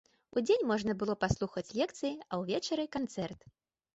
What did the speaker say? Удзень можна было паслухаць лекцыі, а ўвечары канцэрт.